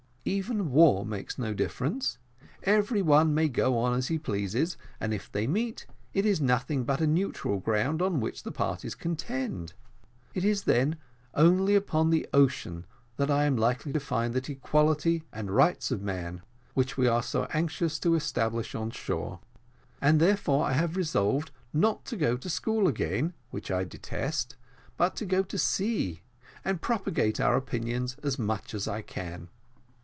Even war makes no difference; every one may go on as he pleases, and if they meet, it is nothing but a neutral ground on which the parties contend. It is, then, only upon the ocean that I am likely to find that equality and rights of man, which we are so anxious to establish on shore; and therefore I have resolved not to go to school again, which I detest, but to go to sea, and propagate our opinions as much as I can."